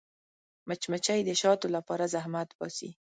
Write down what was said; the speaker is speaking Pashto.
مچمچۍ د شاتو لپاره زحمت باسي